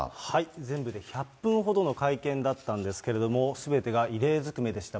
全部で１００分ほどの会見だったんですけれども、すべてが異例ずくめでした。